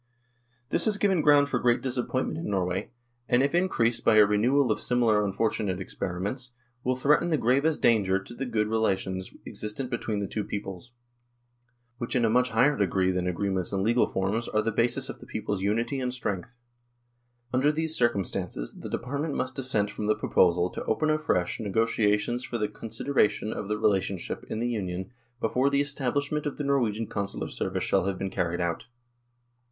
This has given ground for great disappoint THE POLITICAL SITUATION 91 ment in Norway, and if increased by a renewal of similar unfortunate experiments, will threaten the gravest danger to the good relations existent between the two peoples, which in a much higher degree than agreements and legal forms are the basis of the peoples' unity and strength. " Under these circumstances the Department must dissent from the proposal to open afresh negotiations for the consideration of the relationship in the Union before the establishment of the Norwegian Consular service shall have been carried out.